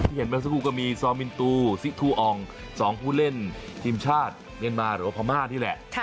ที่เห็นมาสักครู่ก็มีซอมมินตูซิทูอองสองผู้เล่นทีมชาติเมนมาหรือวภามาที่แหละค่ะ